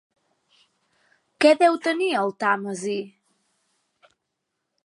¿Què deu tenir el Tàmesi?